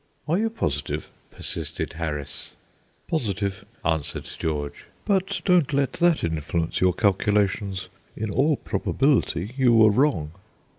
"Are you positive?" persisted Harris. "Positive," answered George "but don't let that influence your calculations. In all probability you were wrong."